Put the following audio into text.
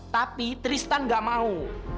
tapi tristan ga mau